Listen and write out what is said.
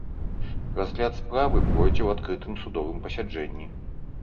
Разгляд справы пройдзе ў адкрытым судовым пасяджэнні.